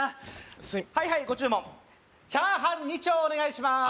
すいはいはいご注文チャーハン２丁お願いします